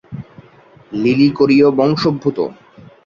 Lily কোরীয় বংশোদ্ভূত।